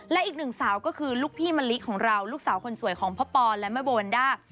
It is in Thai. และอีกหนึ่งสาวก็คือลูกพี่มะลิของเราลูกสาวคนสวยของพ่อปอนและแม่โบวันด้า